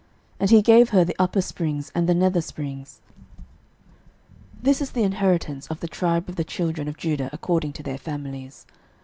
And he gave her the upper springs, and the nether springs. 06:015:020 This is the inheritance of the tribe of the children of Judah according to their families.